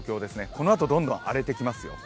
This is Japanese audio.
このあと、どんどん荒れてきます。